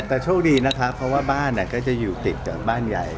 แต่โชคดีนะคะเพราะว่าบ้านก็จะอยู่ติดกับบ้านใหญ่